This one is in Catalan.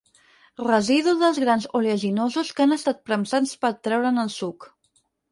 Residu dels grans oleaginosos que han estat premsats per treure'n el suc.